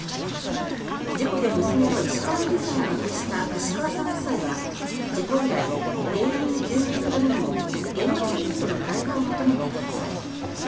事故で娘の石川友梨さんを亡くした石川さん夫妻は事故以来、原因究明のためにも現場社員との対話を求めていました。